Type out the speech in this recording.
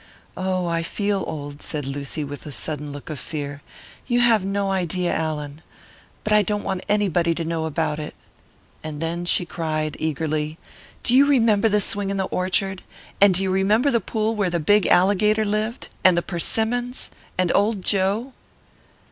"Oh, I feel old," said Lucy, with a sudden look of fear, "you have no idea, Allan. But I don't want anybody to know about it!" And then she cried, eagerly, "Do you remember the swing in the orchard? And do you remember the pool where the big alligator lived? And the persimmons? And Old Joe?"